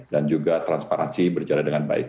dan juga transparansi berjalan dengan baik